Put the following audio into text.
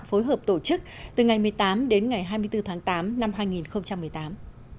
phối hợp tổ chức từ ngày một mươi tám đến ngày hai mươi bốn tháng tám năm hai nghìn một mươi tám